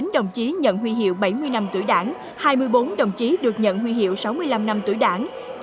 sáu mươi chín đồng chí nhận huy hiệu bảy mươi năm năm tuổi đảng hai mươi bốn đồng chí được nhận huy hiệu sáu mươi năm năm tuổi đảng